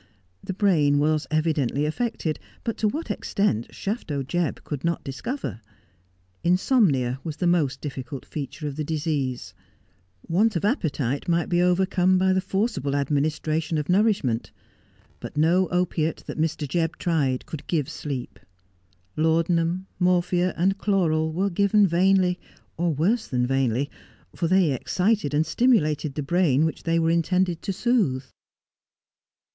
The brain was evidently affected, but to what extent Shafto Jebb could not discover. Insomnia was the most difficult feature of the disease. Want of appetite might be overcome by the forcible administration of nourishment ; but no opiate that Mr. Jebb tried could give sleep. Laudanum, morphia, and chloral were given vainly, or worse than vainly, for they excited and stimulated the brain which they were intended to soothe.